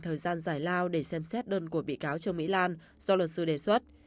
thời gian giải lao để xem xét đơn của bị cáo trương mỹ lan do luật sư đề xuất